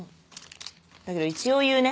だけど一応言うね。